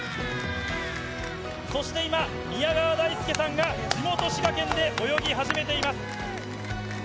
そして今、宮川大輔さんが、地元、滋賀県で泳ぎ始めています。